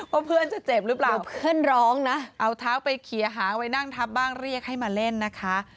ว่าเพื่อนจะเจ็บหรือเปล่าเอาเท้าไปเขียวหาไปนั่งทับบ้างเรียกให้มาเล่นนะคะ